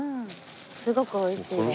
すごくおいしいです。